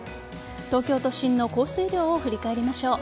東京都心の降水量を振り返りましょう。